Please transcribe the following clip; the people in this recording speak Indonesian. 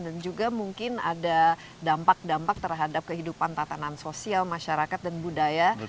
juga mungkin ada dampak dampak terhadap kehidupan tatanan sosial masyarakat dan budaya